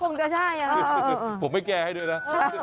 ก็คงจะใช่นะผมไปแก้ให้ด้วยนะ